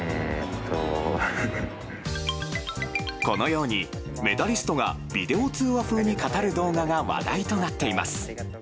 このようにメダリストがビデオ通話風に語る動画が話題となっています。